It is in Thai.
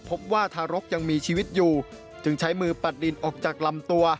พบว่าทารกยังมีชีวิตอยู่จึงใช้มือปัดดินออกจากลำตัว